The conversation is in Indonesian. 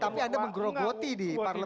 tapi anda menggerogoti di parlemen